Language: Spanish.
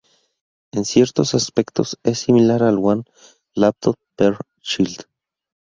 En ciertos aspectos, es similar al One Laptop Per Child.